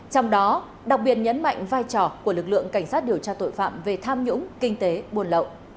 trong đó đặc biệt nhấn mạnh vai trò của lực lượng cảnh sát điều tra tội phạm về tham nhũng kinh tế buôn lậu